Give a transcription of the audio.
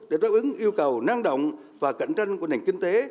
để đáp ứng yêu cầu năng động và cạnh tranh của nền kinh tế